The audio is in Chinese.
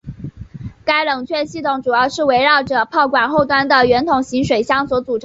该冷却系统主要是围绕着炮管后端的圆筒形水箱所组成。